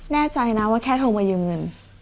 แน่ใจนะว่าแค่โทรมายืมเงิน